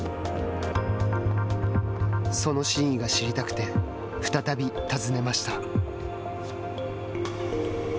その真意が知りたくて再び訪ねました。